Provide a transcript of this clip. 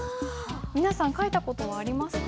皆さん書いた事はありますか？